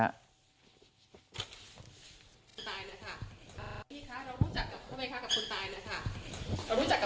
อ่าพี่คะเรารู้จักกับทำไมคะกับคนตายนะฮะ